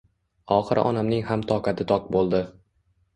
Oxiri onamning ham toqati toq bo‘ldi.